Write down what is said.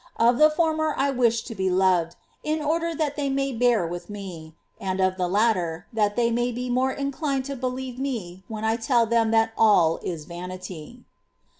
Of the former I wish to be loved, in order that they may bear with me ; and of the latter, that they may be more inclined to believe me when I tell them that all is vanity.